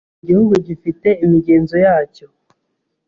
Buri gihugu gifite imigenzo yacyo.